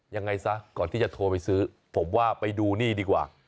ยังไงซะก่อนที่จะโทรไปซื้อผมว่าไปดูนี่ดีกว่า